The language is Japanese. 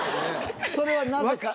それはなぜか。